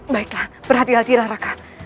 baiklah berhati hatilah raka